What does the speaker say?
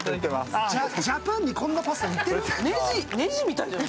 ジャパンにこんなパスタ売ってる？